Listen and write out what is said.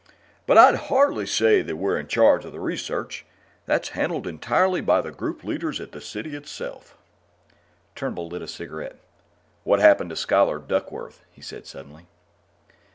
"But I'd hardly say we were in charge of the research. That's handled entirely by the Group leaders at the City itself." Turnbull lit a cigarette. "What happened to Scholar Duckworth?" he said suddenly.